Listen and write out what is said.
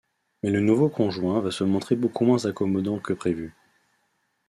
Mais le nouveau conjoint va se montrer beaucoup moins accommodant que prévu.